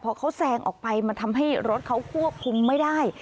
พอเขาแซงออกไปมันทำให้รถเขาควบคุมไม่ได้